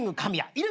いる。